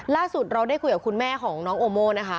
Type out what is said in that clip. ล่าสุดเราได้คุยกับคุณแม่ของน้องโอโม่นะคะ